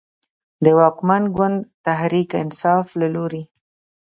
د واکمن ګوند تحریک انصاف له لورې